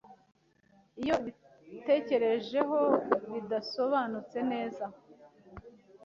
Iyo ubitekerejeho bidasobanutse neza.